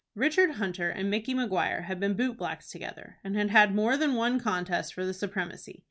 Richard Hunter and Micky Maguire had been boot blacks together, and had had more than one contest for the supremacy.